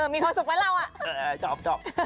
มีความสุขไหมเราอะจ๊อก